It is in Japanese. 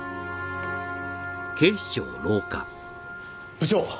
部長！